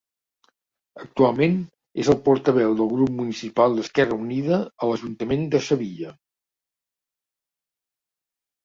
Actualment, és el portaveu del grup municipal d'Esquerra Unida a l'Ajuntament de Sevilla.